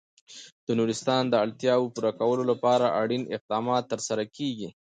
د نورستان د اړتیاوو پوره کولو لپاره اړین اقدامات ترسره کېږي.